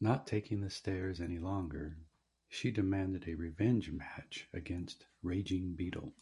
Not taking the stares any longer, she demanded a "revenge match" against Raging Beetle.